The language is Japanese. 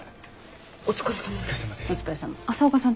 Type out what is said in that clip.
お疲れさまです。